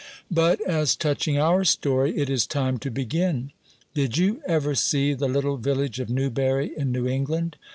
But, as touching our story, it is time to begin. Did you ever see the little village of Newbury, in New England?